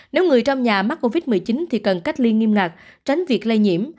nếu người trong nhà mắc covid một mươi chín thì cần cách ly nghiêm ngặt tránh việc lây nhiễm